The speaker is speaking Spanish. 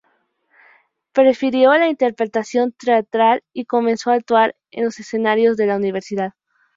Prefirió la interpretación teatral y comenzó a actuar en los escenarios de la universidad.